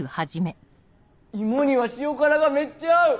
イモには塩辛がめっちゃ合う！